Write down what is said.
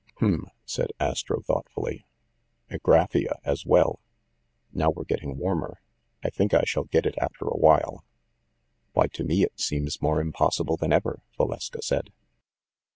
"H'm!" said Astro thoughtfully. "Agraphia, as well. Now we're getting warmer. I think I shall get it after a while." "Why, to me it seems more impossible than ever!" Valeska said.